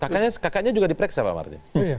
kakaknya juga diperiksa pak martin